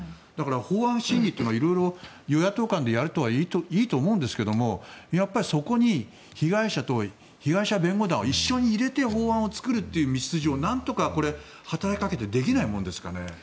法案審議はいろいろ与野党間でやればいいと思いますけどやっぱりそこに被害者と被害者弁護団を一緒に入れて法案を作るという道筋を何とか働きかけてできないものですかね？